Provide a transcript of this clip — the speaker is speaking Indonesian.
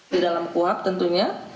di dalam kuab tentunya